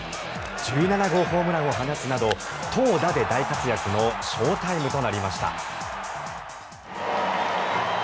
１７号ホームランを放つなど投打で大活躍のショータイムとなりました。